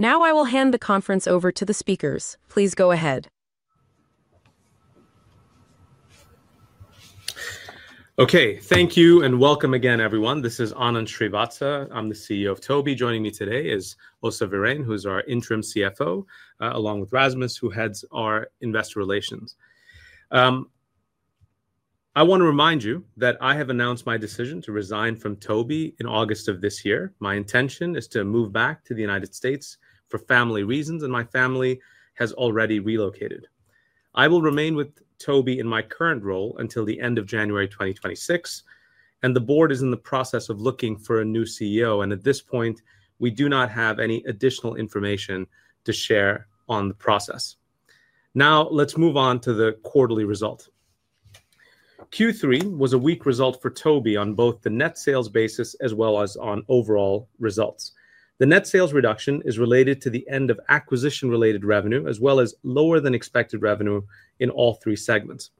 Now I will hand the conference over to the speakers. Please go ahead. Okay, thank you and welcome again, everyone. This is Anand Srivatsa. I'm the CEO of Tobii. Joining me today is Åsa Wirén, who is our Interim CFO, along with Rasmus, who heads our Investor Relations. I want to remind you that I have announced my decision to resign from Tobii in August of this year. My intention is to move back to the U.S. for family reasons, and my family has already relocated. I will remain with Tobii in my current role until the end of January 2026, and the board is in the process of looking for a new CEO. At this point, we do not have any additional information to share on the process. Now, let's move on to the quarterly result. Q3 was a weak result for Tobii on both the net sales basis as well as on overall results. The net sales reduction is related to the end of acquisition-related revenue, as well as lower than expected revenue in all three segments.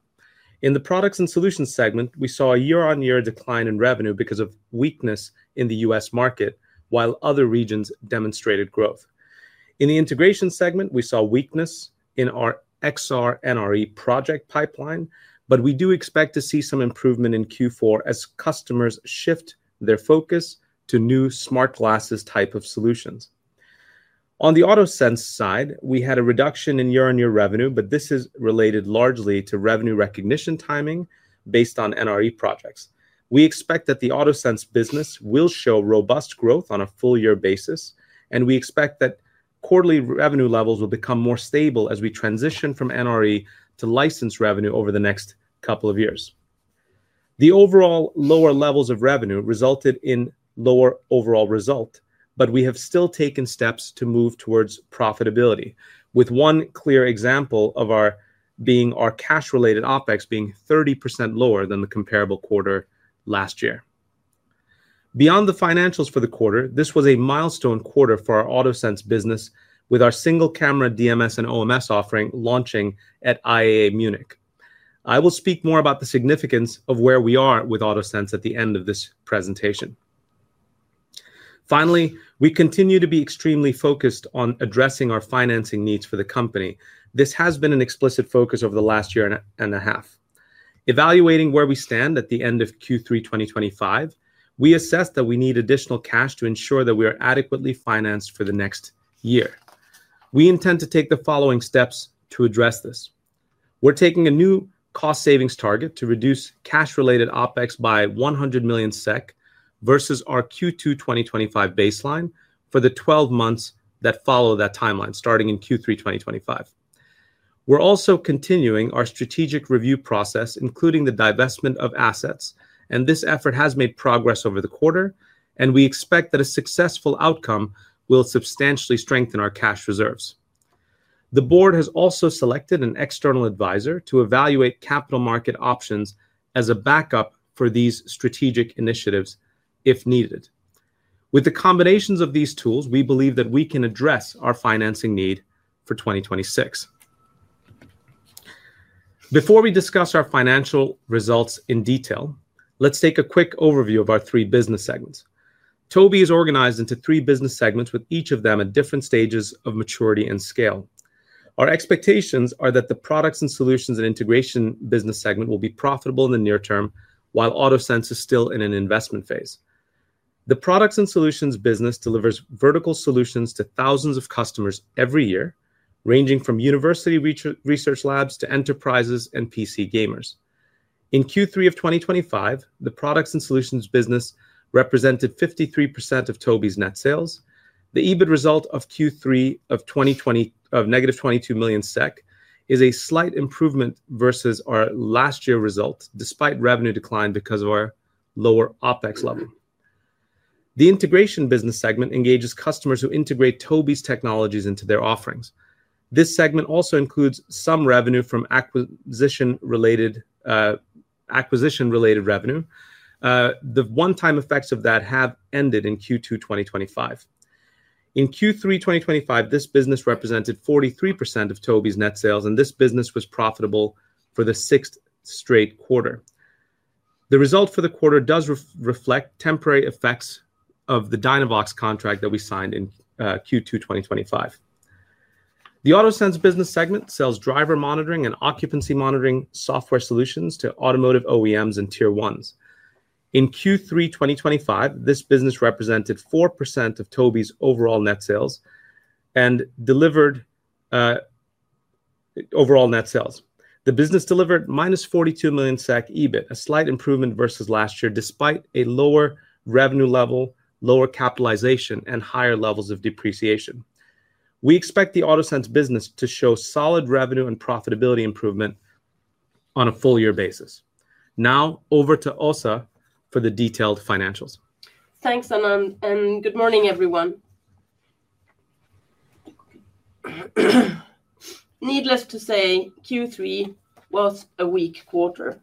In the Products & Solutions segment, we saw a year-on-year decline in revenue because of weakness in the U.S. market, while other regions demonstrated growth. In the Integration segment, we saw weakness in our XR NRE project pipeline, but we do expect to see some improvement in Q4 as customers shift their focus to new smart glasses type of solutions. On the AutoSense side, we had a reduction in year-on-year revenue, but this is related largely to revenue recognition timing based on NRE projects. We expect that the AutoSense business will show robust growth on a full-year basis, and we expect that quarterly revenue levels will become more stable as we transition from NRE to licensed revenue over the next couple of years. The overall lower levels of revenue resulted in a lower overall result, but we have still taken steps to move towards profitability, with one clear example of our cash-related OpEx being 30% lower than the comparable quarter last year. Beyond the financials for the quarter, this was a milestone quarter for our AutoSense business, with our single camera DMS and OMS offering launching at IAA Munich. I will speak more about the significance of where we are with AutoSense at the end of this presentation. Finally, we continue to be extremely focused on addressing our financing needs for the company. This has been an explicit focus over the last year and a half. Evaluating where we stand at the end of Q3 2025, we assessed that we need additional cash to ensure that we are adequately financed for the next year. We intend to take the following steps to address this. We're taking a new cost savings target to reduce cash-related OpEx by 100 million SEK versus our Q2 2025 baseline for the 12 months that follow that timeline, starting in Q3 2025. We're also continuing our strategic review process, including the divestment of assets, and this effort has made progress over the quarter. We expect that a successful outcome will substantially strengthen our cash reserves. The Board has also selected an external advisor to evaluate capital market options as a backup for these strategic initiatives if needed. With the combinations of these tools, we believe that we can address our financing need for 2026. Before we discuss our financial results in detail, let's take a quick overview of our three business segments. Tobii is organized into three business segments, with each of them at different stages of maturity and scale. Our expectations are that the Products & Solutions and Integration business segments will be profitable in the near term, while AutoSense is still in an investment phase. The Products & Solutions business delivers vertical solutions to thousands of customers every year, ranging from university research labs to enterprises and PC gamers. In Q3 2025, the Products & Solutions business represented 53% of Tobii's net sales. The EBIT result of Q3 of -22 million SEK is a slight improvement versus our last year result, despite revenue decline because of our lower OpEx level. The Integration business segment engages customers who integrate Tobii's technologies into their offerings. This segment also includes some revenue from acquisition-related revenue. The one-time effects of that have ended in Q2 2025. In Q3 2025, this business represented 43% of Tobii's net sales, and this business was profitable for the sixth straight quarter. The result for the quarter does reflect temporary effects of the Dynavox contract that we signed in Q2 2025. The AutoSense business segment sells driver monitoring and occupancy monitoring software solutions to automotive OEMs and tier ones. In Q3 2025, this business represented 4% of Tobii's overall net sales and delivered overall net sales. The business delivered -42 million SEK EBIT, a slight improvement versus last year, despite a lower revenue level, lower capitalization, and higher levels of depreciation. We expect the AutoSense business to show solid revenue and profitability improvement on a full-year basis. Now over to Åsa for the detailed financials. Thanks, Anand, and good morning, everyone. Needless to say, Q3 was a weak quarter.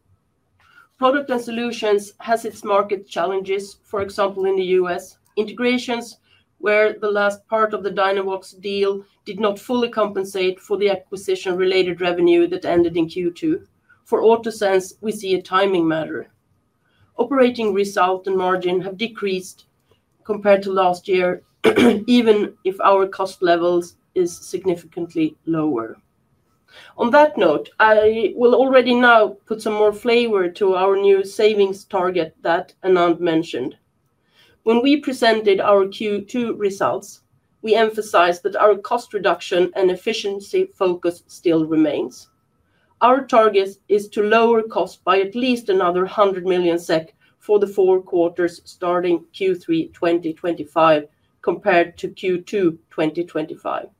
Products & Solutions has its market challenges, for example, in the U.S. Integrations, where the last part of the Dynavox deal did not fully compensate for the acquisition-related revenue that ended in Q2. For AutoSense, we see a timing matter. Operating result and margin have decreased compared to last year, even if our cost level is significantly lower. On that note, I will already now put some more flavor to our new savings target that Anand mentioned. When we presented our Q2 results, we emphasized that our cost reduction and efficiency focus still remains. Our target is to lower costs by at least another 100 million SEK for the four quarters starting Q3 2025 compared to Q2 2025.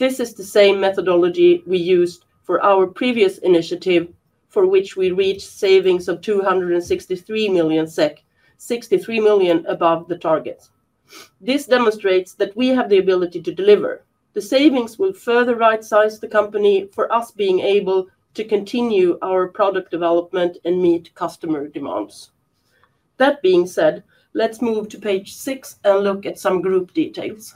This is the same methodology we used for our previous initiative, for which we reached savings of 263 million SEK, 63 million above the targets. This demonstrates that we have the ability to deliver. The savings will further right-size the company for us being able to continue our product development and meet customer demands. That being said, let's move to page six and look at some group details.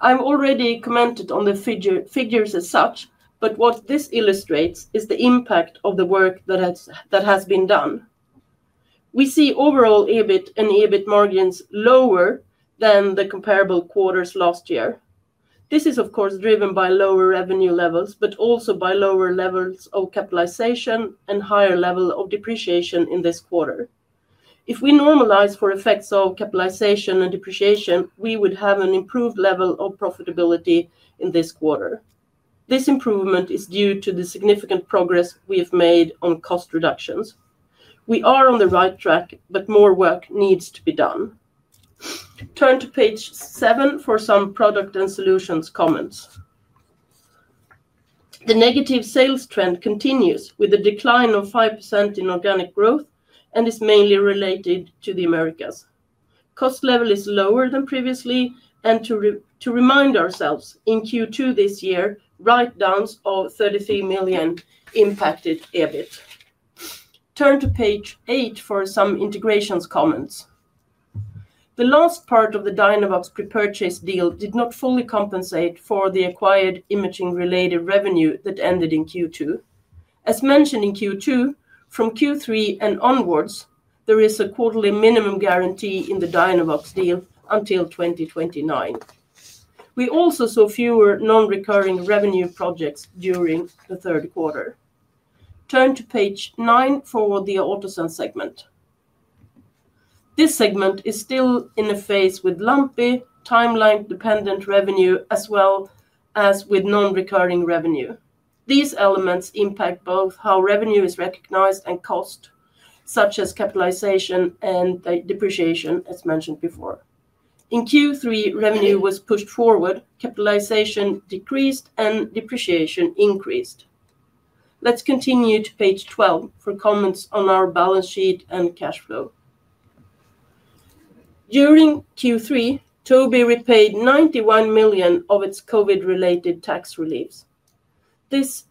I've already commented on the figures as such, but what this illustrates is the impact of the work that has been done. We see overall EBIT and EBIT margins lower than the comparable quarters last year. This is, of course, driven by lower revenue levels, but also by lower levels of capitalization and higher level of depreciation in this quarter. If we normalize for effects of capitalization and depreciation, we would have an improved level of profitability in this quarter. This improvement is due to the significant progress we have made on cost reductions. We are on the right track, but more work needs to be done. Turn to page seven for some Products & Solutions comments. The negative sales trend continues with a decline of 5% in organic growth and is mainly related to the Americas. Cost level is lower than previously, and to remind ourselves, in Q2 this year, write-downs of 33 million impacted EBIT. Turn to page eight for some Integrations comments. The last part of the Dynavox pre-purchase deal did not fully compensate for the acquired imaging-related revenue that ended in Q2. As mentioned in Q2, from Q3 and onwards, there is a quarterly minimum guarantee in the Dynavox deal until 2029. We also saw fewer NRE projects during the third quarter. Turn to page nine for the AutoSense segment. This segment is still in a phase with lumpy timeline-dependent revenue, as well as with non-recurring revenue. These elements impact both how revenue is recognized and cost, such as capitalization and depreciation, as mentioned before. In Q3, revenue was pushed forward, capitalization decreased, and depreciation increased. Let's continue to page 12 for comments on our balance sheet and cash flow. During Q3, Tobii repaid 91 million of its COVID-related tax reliefs. The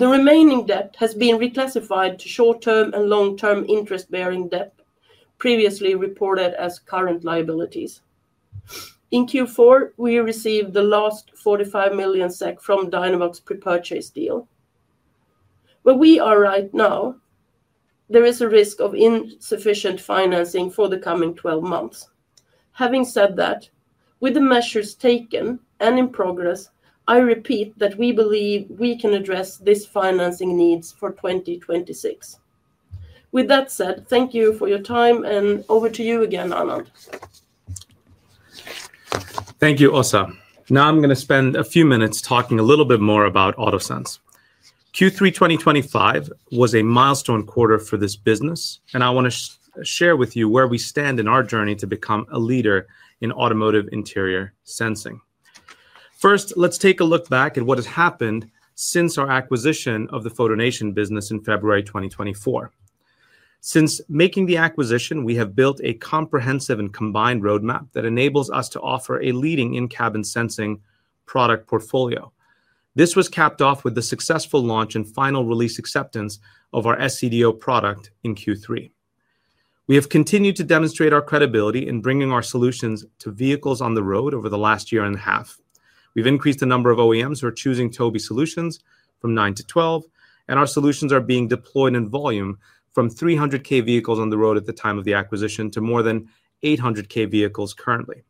remaining debt has been reclassified to short-term and long-term interest-bearing debt, previously reported as current liabilities. In Q4, we received the last 45 million SEK from the Dynavox pre-purchase deal. Where we are right now, there is a risk of insufficient financing for the coming 12 months. Having said that, with the measures taken and in progress, I repeat that we believe we can address these financing needs for 2026. With that said, thank you for your time, and over to you again, Anand. Thank you, Åsa. Now I'm going to spend a few minutes talking a little bit more about AutoSense. Q3 2025 was a milestone quarter for this business, and I want to share with you where we stand in our journey to become a leader in automotive interior sensing. First, let's take a look back at what has happened since our acquisition of the FotoNation business in February 2024. Since making the acquisition, we have built a comprehensive and combined roadmap that enables us to offer a leading in-cabin sensing product portfolio. This was capped off with the successful launch and final release acceptance of our SCDO product in Q3. We have continued to demonstrate our credibility in bringing our solutions to vehicles on the road over the last year and a half. We've increased the number of OEMs who are choosing Tobii solutions from nine to twelve, and our solutions are being deployed in volume from 300,000 vehicles on the road at the time of the acquisition to more than 800,000 vehicles currently.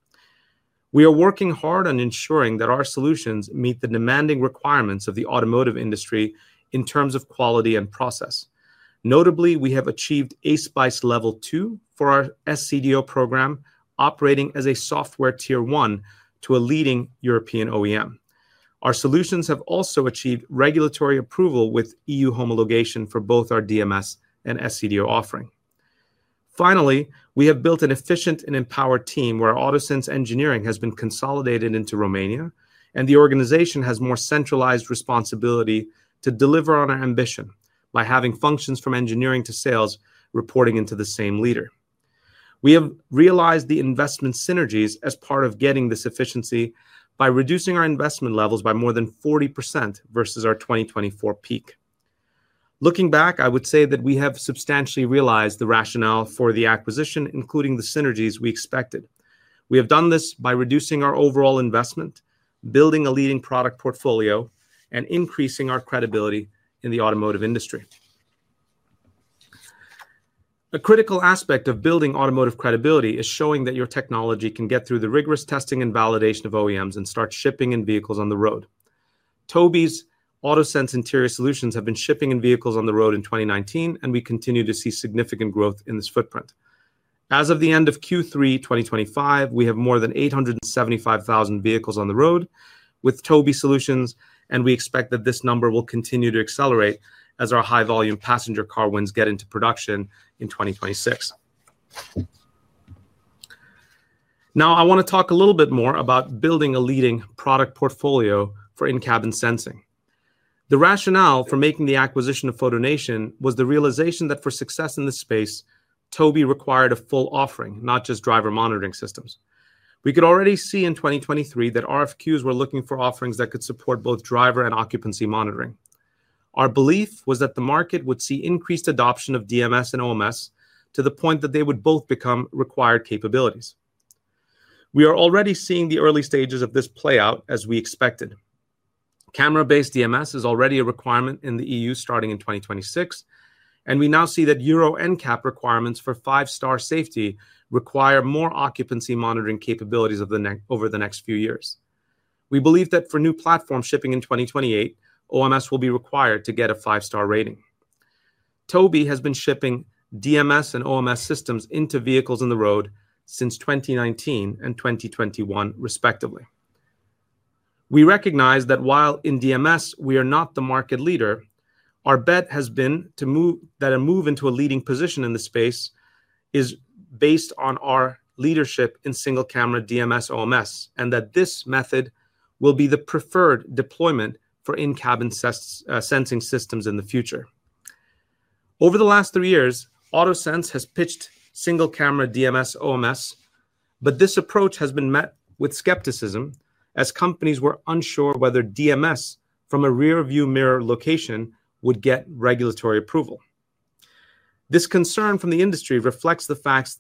We are working hard on ensuring that our solutions meet the demanding requirements of the automotive industry in terms of quality and process. Notably, we have achieved a ASPICE Level 2 for our SCDO program, operating as a software tier one to a leading European OEM. Our solutions have also achieved regulatory approval with EU homologation for both our DMS and SCDO offering. Finally, we have built an efficient and empowered team where our AutoSense engineering has been consolidated into Romania, and the organization has more centralized responsibility to deliver on our ambition by having functions from engineering to sales reporting into the same leader. We have realized the investment synergies as part of getting this efficiency by reducing our investment levels by more than 40% versus our 2024 peak. Looking back, I would say that we have substantially realized the rationale for the acquisition, including the synergies we expected. We have done this by reducing our overall investment, building a leading product portfolio, and increasing our credibility in the automotive industry. A critical aspect of building automotive credibility is showing that your technology can get through the rigorous testing and validation of OEMs and start shipping in vehicles on the road. Tobii's AutoSense interior solutions have been shipping in vehicles on the road in 2019, and we continue to see significant growth in this footprint. As of the end of Q3 2025, we have more than 875,000 vehicles on the road with Tobii Solutions, and we expect that this number will continue to accelerate as our high-volume passenger car wins get into production in 2026. Now, I want to talk a little bit more about building a leading product portfolio for in-cabin sensing. The rationale for making the acquisition of FotoNation was the realization that for success in this space, Tobii required a full offering, not just driver monitoring systems. We could already see in 2023 that RFQs were looking for offerings that could support both driver and occupancy monitoring. Our belief was that the market would see increased adoption of DMS and OMS to the point that they would both become required capabilities. We are already seeing the early stages of this play out as we expected. Camera-based DMS is already a requirement in the EU starting in 2026, and we now see that Euro NCAP requirements for five-star safety require more occupancy monitoring capabilities over the next few years. We believe that for new platforms shipping in 2028, OMS will be required to get a five-star rating. Tobii has been shipping DMS and OMS systems into vehicles on the road since 2019 and 2021, respectively. We recognize that while in DMS, we are not the market leader, our bet has been that a move into a leading position in the space is based on our leadership in single camera DMS OMS, and that this method will be the preferred deployment for in-cabin sensing systems in the future. Over the last three years, AutoSense has pitched single camera DMS OMS, but this approach has been met with skepticism as companies were unsure whether DMS from a rearview mirror location would get regulatory approval. This concern from the industry reflects the fact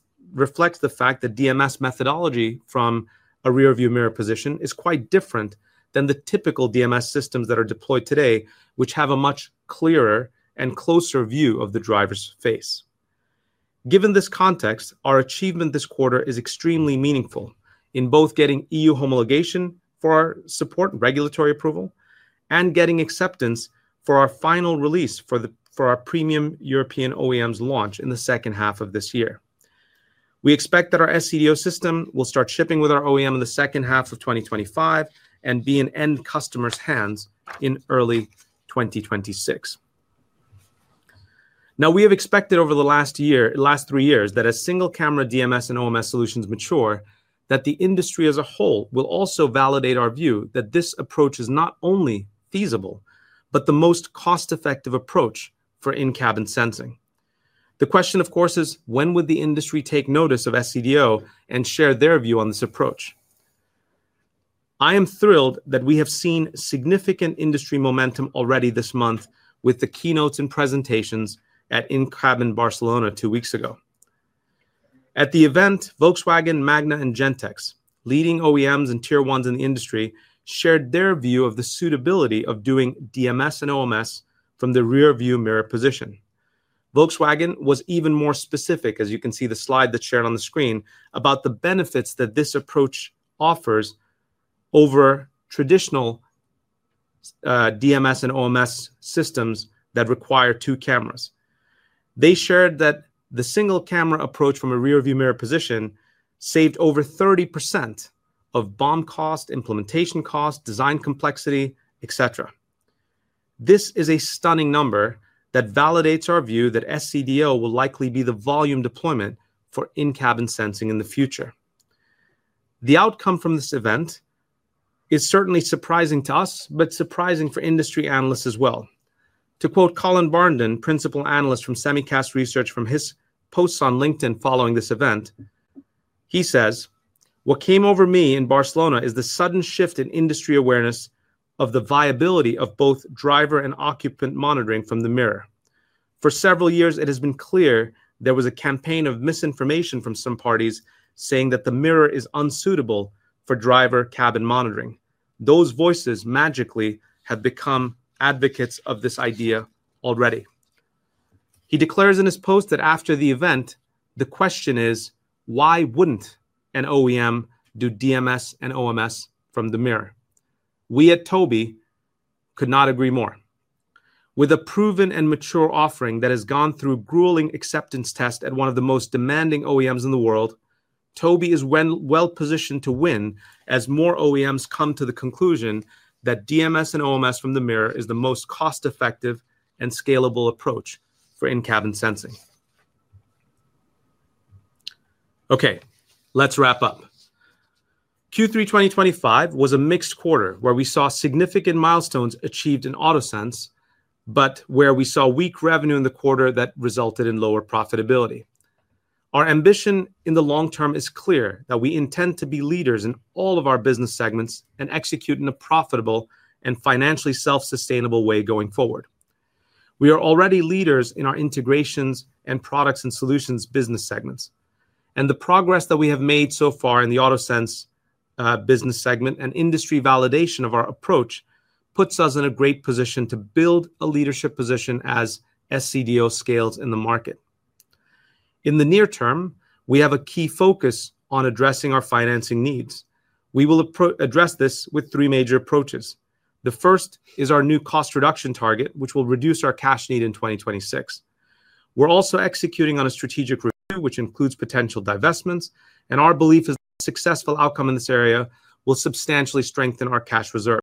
that DMS methodology from a rearview mirror position is quite different than the typical DMS systems that are deployed today, which have a much clearer and closer view of the driver's face. Given this context, our achievement this quarter is extremely meaningful in both getting EU homologation for our support and regulatory approval, and getting acceptance for our final release for our premium European OEMs launch in the second half of this year. We expect that our SCDO system will start shipping with our OEM in the second half of 2025 and be in end customers' hands in early 2026. Now, we have expected over the last three years that as single camera DMS and OMS solutions mature, the industry as a whole will also validate our view that this approach is not only feasible, but the most cost-effective approach for in-cabin sensing. The question, of course, is when would the industry take notice of SCDO and share their view on this approach? I am thrilled that we have seen significant industry momentum already this month with the keynotes and presentations at InCabin Barcelona two weeks ago. At the event, Volkswagen, Magna, and Gentex, leading OEMs and tier ones in the industry, shared their view of the suitability of doing DMS and OMS from the rearview mirror position. Volkswagen was even more specific, as you can see the slide that's shared on the screen, about the benefits that this approach offers over traditional DMS and OMS systems that require two cameras. They shared that the single camera approach from a rearview mirror position saved over 30% of BOM cost, implementation cost, design complexity, etc. This is a stunning number that validates our view that SCDO will likely be the volume deployment for in-cabin sensing in the future. The outcome from this event is certainly surprising to us, but surprising for industry analysts as well. To quote Colin Barnden, Principal Analyst from Semicast Research, from his posts on LinkedIn following this event, he says, "What came over me in Barcelona is the sudden shift in industry awareness of the viability of both driver and occupant monitoring from the mirror. For several years, it has been clear there was a campaign of misinformation from some parties saying that the mirror is unsuitable for driver cabin monitoring. Those voices magically have become advocates of this idea already." He declares in his post that after the event, the question is, why wouldn't an OEM do DMS and OMS from the mirror? We at Tobii could not agree more. With a proven and mature offering that has gone through grueling acceptance tests at one of the most demanding OEMs in the world, Tobii is well positioned to win as more OEMs come to the conclusion that DMS and OMS from the mirror is the most cost-effective and scalable approach for in-cabin sensing. Okay, let's wrap up. Q3 2025 was a mixed quarter where we saw significant milestones achieved in AutoSense, but where we saw weak revenue in the quarter that resulted in lower profitability. Our ambition in the long term is clear that we intend to be leaders in all of our business segments and execute in a profitable and financially self-sustainable way going forward. We are already leaders in our Integrations and Products & Solutions business segments, and the progress that we have made so far in the AutoSense business segment and industry validation of our approach puts us in a great position to build a leadership position as single camera DMS scales in the market. In the near term, we have a key focus on addressing our financing needs. We will address this with three major approaches. The first is our new cost reduction target, which will reduce our cash need in 2026. We're also executing on a strategic review, which includes potential divestments, and our belief is that a successful outcome in this area will substantially strengthen our cash reserves.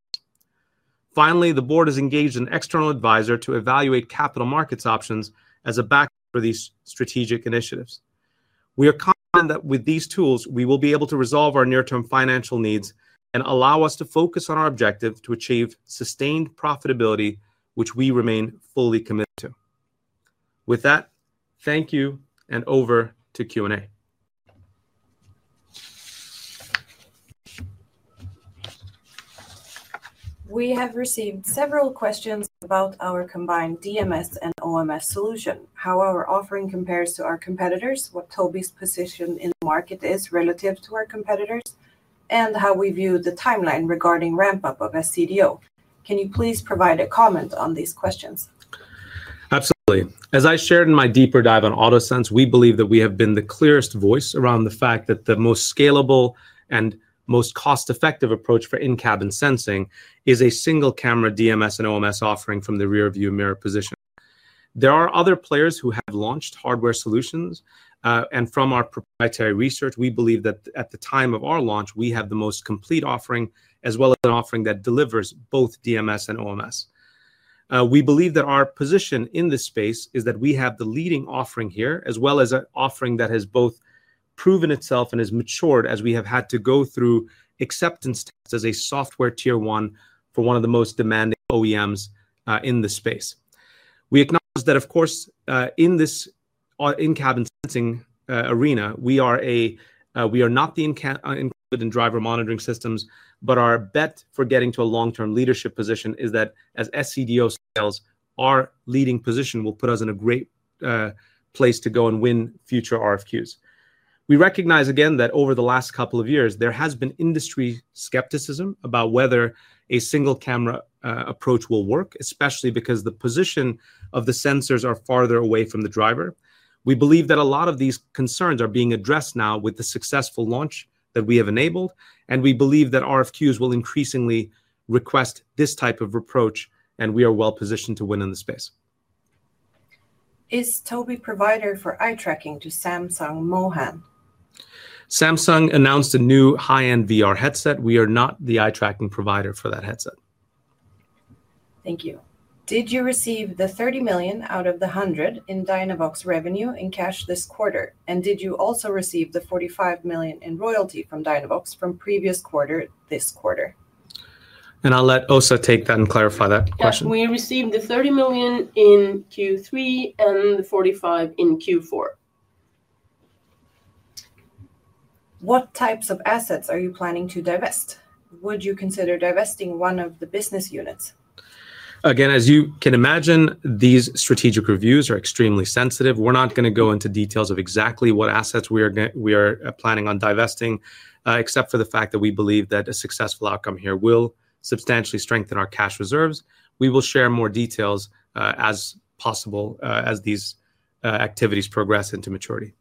Finally, the board is engaged in an external advisor to evaluate capital markets options as a backup for these strategic initiatives. We are confident that with these tools, we will be able to resolve our near-term financial needs and allow us to focus on our objective to achieve sustained profitability, which we remain fully committed to. With that, thank you and over to Q&A. We have received several questions about our combined DMS and OMS solution, how our offering compares to our competitors, what Tobii's position in the market is relative to our competitors, and how we view the timeline regarding ramp-up of SCDO. Can you please provide a comment on these questions? Absolutely. As I shared in my deeper dive on AutoSense, we believe that we have been the clearest voice around the fact that the most scalable and most cost-effective approach for in-cabin sensing is a single camera DMS and OMS offering from the rearview mirror position. There are other players who have launched hardware solutions, and from our proprietary research, we believe that at the time of our launch, we have the most complete offering, as well as an offering that delivers both DMS and OMS. We believe that our position in this space is that we have the leading offering here, as well as an offering that has both proven itself and has matured as we have had to go through acceptance tests as a software tier one for one of the most demanding OEMs in the space. We acknowledge that, of course, in this in-cabin sensing arena, we are not the incumbent in driver monitoring systems, but our bet for getting to a long-term leadership position is that as SCDO scales, our leading position will put us in a great place to go and win future RFQs. We recognize again that over the last couple of years, there has been industry skepticism about whether a single camera approach will work, especially because the position of the sensors is farther away from the driver. We believe that a lot of these concerns are being addressed now with the successful launch that we have enabled, and we believe that RFQs will increasingly request this type of approach, and we are well positioned to win in the space. Is Tobii provider for eye tracking to Samsung Mohan? Samsung announced a new high-end VR headset. We are not the eye tracking provider for that headset. Thank you. Did you receive the 30 million out of the 100 million in Dynavox revenue in cash this quarter, and did you also receive the 45 million in royalty from Dynavox from previous quarter this quarter? I'll let Åsa take that and clarify that question. We received the 30 million in Q3 and the 45 million in Q4. What types of assets are you planning to divest? Would you consider divesting one of the business units? Again, as you can imagine, these strategic reviews are extremely sensitive. We're not going to go into details of exactly what assets we are planning on divesting, except for the fact that we believe that a successful outcome here will substantially strengthen our cash reserves. We will share more details as possible as these activities progress into maturity.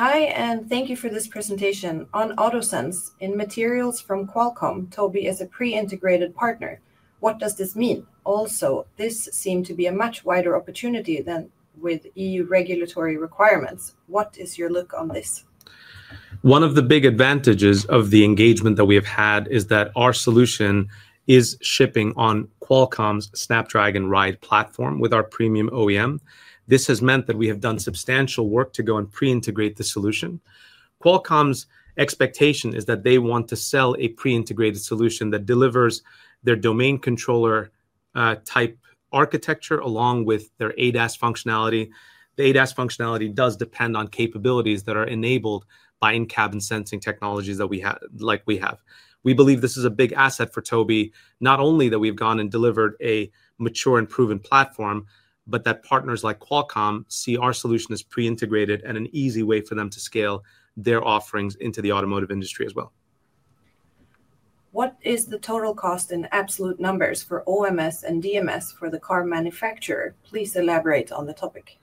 Hi, and thank you for this presentation. On AutoSense, in materials from Qualcomm, Tobii is a pre-integrated partner. What does this mean? Also, this seemed to be a much wider opportunity than with EU regulatory requirements. What is your look on this? One of the big advantages of the engagement that we have had is that our solution is shipping on Qualcomm's Snapdragon Ride platform with our premium OEM. This has meant that we have done substantial work to go and pre-integrate the solution. Qualcomm's expectation is that they want to sell a pre-integrated solution that delivers their domain controller type architecture along with their ADAS functionality. The ADAS functionality does depend on capabilities that are enabled by in-cabin sensing technologies like we have. We believe this is a big asset for Tobii, not only that we've gone and delivered a mature and proven platform, but that partners like Qualcomm see our solution as pre-integrated and an easy way for them to scale their offerings into the automotive industry as well. What is the total cost in absolute numbers for OMS and DMS for the car manufacturer? Please elaborate on the topic.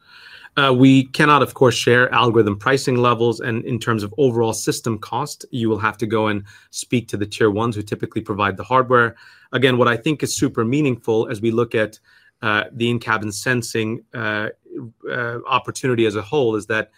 We cannot, of course, share algorithm pricing levels, and in terms of overall system cost, you will have to go and speak to the tier ones who typically provide the hardware. What I think is super meaningful as we look at the in-cabin sensing opportunity as a whole is that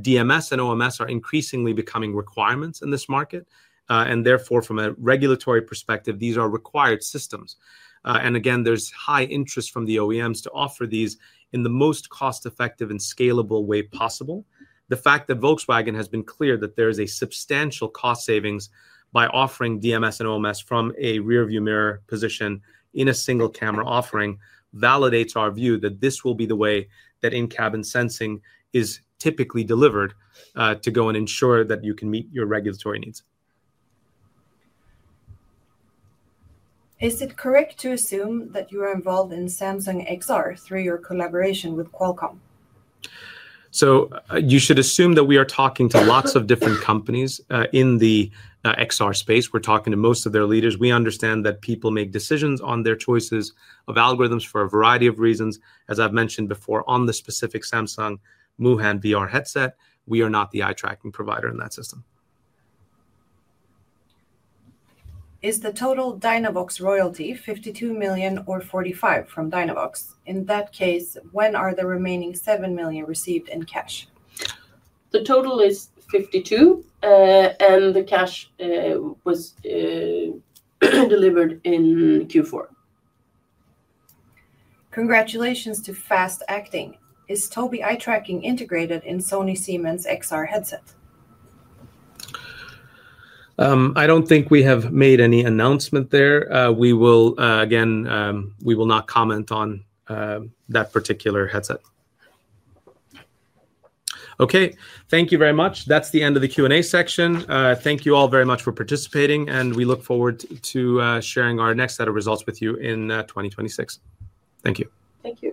DMS and OMS are increasingly becoming requirements in this market, and therefore, from a regulatory perspective, these are required systems. There is high interest from the OEMs to offer these in the most cost-effective and scalable way possible. The fact that Volkswagen has been clear that there is a substantial cost savings by offering DMS and OMS from a rearview mirror position in a single camera offering validates our view that this will be the way that in-cabin sensing is typically delivered to go and ensure that you can meet your regulatory needs. Is it correct to assume that you are involved in Samsung XR through your collaboration with Qualcomm? You should assume that we are talking to lots of different companies in the XR space. We're talking to most of their leaders. We understand that people make decisions on their choices of algorithms for a variety of reasons. As I've mentioned before, on the specific Samsung Mohan VR headset, we are not the eye tracking provider in that system. Is the total Dynavox royalty 52 million or 45 million from Dynavox? In that case, when are the remaining 7 million received in cash? The total is 52 million, and the cash was delivered in Q4. Congratulations to Fast Acting. Is Tobii eye tracking integrated in Sony Siemens XR headset? I don't think we have made any announcement there. We will not comment on that particular headset. Thank you very much. That's the end of the Q&A section. Thank you all very much for participating, and we look forward to sharing our next set of results with you in 2026. Thank you. Thank you.